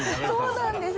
そうなんです。